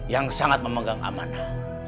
yang sangat memegang amanah